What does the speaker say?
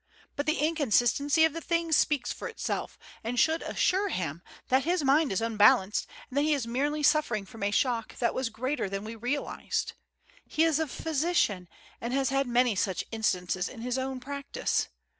But the inconsistency of the thing speaks for itself, and should assure him that his mind is unbalanced and that he is merely suffering from a shock that was greater than we realized. He is a physician and has had many such instances in his own practice.